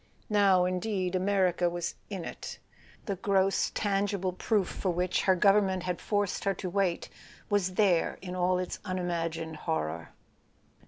Now, indeed, America was "in it": the gross tangible proof for which her government had forced her to wait was there in all its unimagined horror.